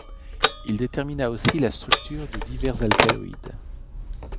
Il détermina aussi la structure de divers alcaloïdes.